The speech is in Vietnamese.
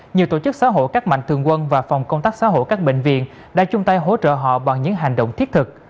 nhiều tổ chức xã hội các mạnh thường quân và phòng công tác xã hội các bệnh viện đã chung tay hỗ trợ họ bằng những hành động thiết thực